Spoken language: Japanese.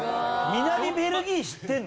南ベルギー知ってるの？